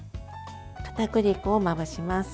かたくり粉をまぶします。